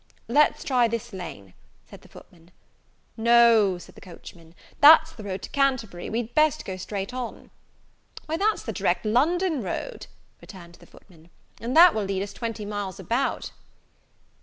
"Let's try this lane," said the footman. "No," said the coachman, "that's the road to Canterbury; we had best go straight on." "Why, that's the direct London road," returned the footman, "and will lead us twenty miles about."